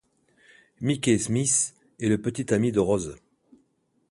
Mickey Smith est le petit ami de Rose.